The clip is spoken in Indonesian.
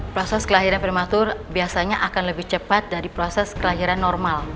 proses kelahiran prematur biasanya akan lebih cepat dari proses kelahiran normal